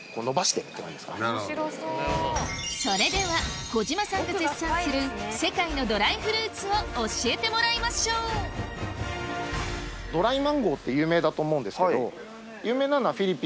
それでは小島さんが絶賛する世界のドライフルーツを教えてもらいましょうって有名だと思うんですけど。